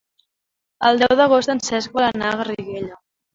El deu d'agost en Cesc vol anar a Garriguella.